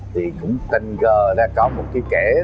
thì cũng tình gờ ra có một cái kẻ